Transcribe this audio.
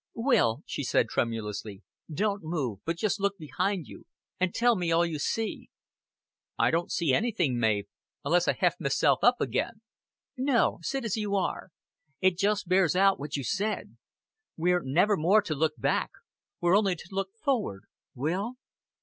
"Will," she said tremulously, "don't move, but just look behind you, and tell me all you see." "I don't see anything, Mav, unless I heft meself up again." "No, sit as you are. It just bears out what you said. We're never more to look back. We're only to look forward. Will?"